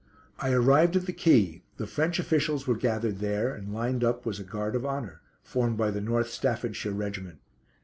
I arrived at the quay. The French officials were gathered there, and lined up was a guard of honour, formed by the North Staffordshire Regiment.